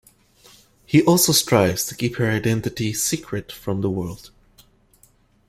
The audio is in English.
He also strives to keep her identity secret from the world.